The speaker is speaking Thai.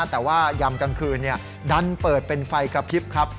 แต่ว่ายำกลางคืนดันเปิดเป็นไฟกระพริบครับ